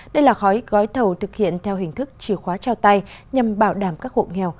đây là khói gói thầu thực hiện theo hình thức chìa khóa trao tay nhằm bảo đảm các hộ nghèo